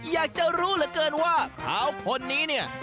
อยากจะรู้เหลือเกินว่าเขาคนนี้เนี่ย